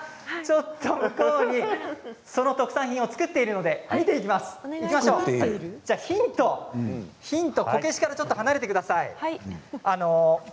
向こうにその特産品を作っているのでヒントはこけしから離れてください。